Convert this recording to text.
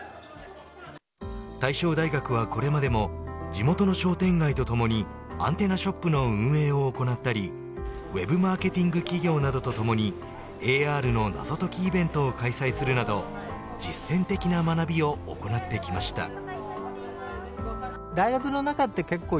大正大学はこれまでも地元の商店街とともにアンテナショップの運営を行ったりウェブマーケティング企業などとともにＡＲの謎解きイベントを開催するなど実践的な学びを行ってきました。